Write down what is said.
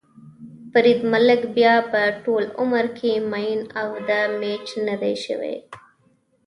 فرید ملک بیا به ټول عمر کې مېن اف ده مېچ ندی شوی.ههه